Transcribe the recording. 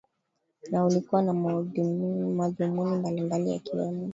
na ulikuwa na madhumuni mbalimbali yakiwemo